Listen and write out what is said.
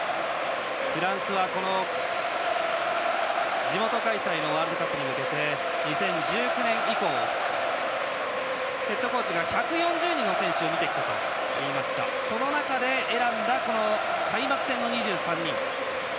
フランスは地元開催のワールドカップに向けて２０１９年以降ヘッドコーチが１４０人の選手を見てきたといいますがその中で選んだ開幕戦の２３人。